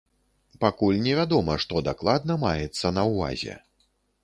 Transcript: Пакуль невядома, што дакладна маецца на ўвазе.